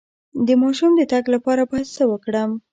د ماشوم د تګ لپاره باید څه وکړم؟